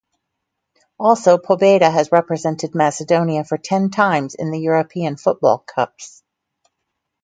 Also, Pobeda has represented Macedonia for ten times in the European Football Cups.